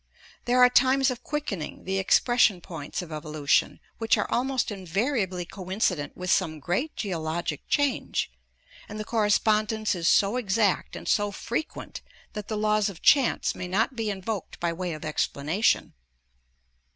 There are times of quickening, the expression points of evolution, which are almost invariably coincident with some great geologic change, and the correspondence is so exact and so frequent that the laws of chance may not be invoked by way of explanation.